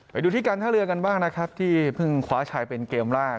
ไปดูที่การท่าเรือกันบ้างนะครับที่เพิ่งคว้าชัยเป็นเกมแรก